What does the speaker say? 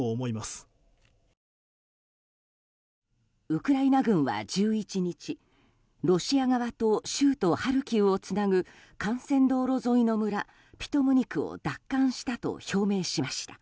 ウクライナ軍は１１日ロシア側と州都ハルキウをつなぐ幹線道路沿いの村、ピトムニクを奪還したと表明しました。